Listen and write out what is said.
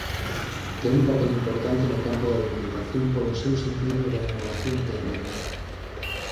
Ten un papel importante no campo da documentación polo seu sentido da innovación técnica.